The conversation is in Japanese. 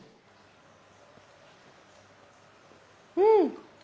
うん！